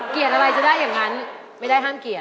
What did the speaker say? อะไรจะได้อย่างนั้นไม่ได้ห้ามเกลียด